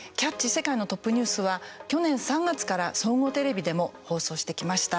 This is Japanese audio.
世界のトップニュース」は去年３月から総合テレビでも放送してきました。